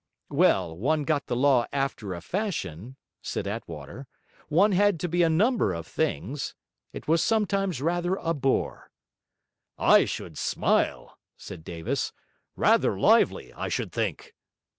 'Well, one got the law after a fashion,' said Attwater. 'One had to be a number of things. It was sometimes rather a bore.' 'I should smile!' said Davis. 'Rather lively, I should think!'